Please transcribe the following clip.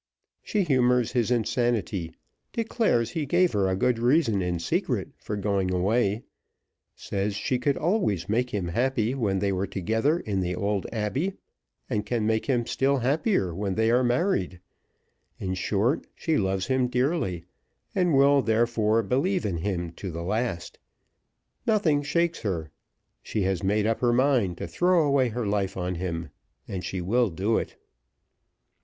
She humors his insanity; declares he gave her a good reason in secret for going away; says she could always make him happy when they were together in the old Abbey, and can make him still happier when they are married; in short, she loves him dearly, and will therefore believe in him to the last. Nothing shakes her. She has made up her mind to throw away her life on him, and she will do it."